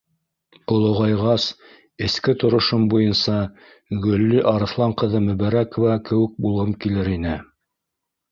Олоғайғас, эске торошом буйынса Гөлли Арыҫлан ҡыҙы Мөбәрәкова кеүек булғым килер ине.